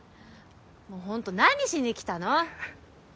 もうほんと何しに来たの！